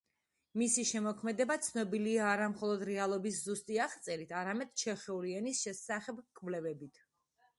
მისი შემოქმედება ცნობილია არა მხოლოდ რეალობის ზუსტი აღწერით, არამედ ჩეხური ენის შესახებ კვლევებით.